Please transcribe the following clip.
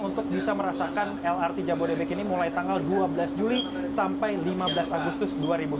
untuk bisa merasakan lrt jabodebek ini mulai tanggal dua belas juli sampai lima belas agustus dua ribu dua puluh